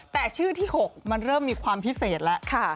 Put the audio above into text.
แต่ชื่อที่๖มันเริ่มมีความพิเศษแล้ว